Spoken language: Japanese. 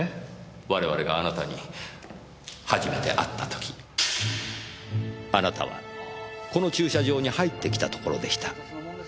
我々があなたに初めて会った時あなたはこの駐車場に入ってきたところでした。